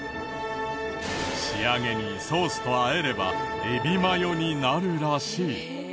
仕上げにソースとあえればエビマヨになるらしい。